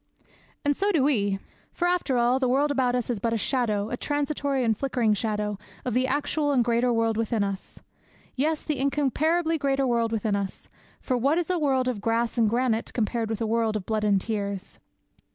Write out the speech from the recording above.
And so do we. For, after all, the world about us is but a shadow, a transitory and flickering shadow, of the actual and greater world within us. Yes, the incomparably greater world within us; for what is a world of grass and granite compared with a world of blood and tears?